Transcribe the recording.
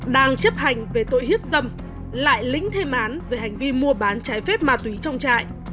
đang chấp hành về tội hiếp dâm lại lĩnh thêm án về hành vi mua bán trái phép ma túy trong trại